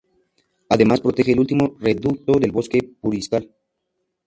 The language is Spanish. Además protege el último reducto de bosque de Puriscal.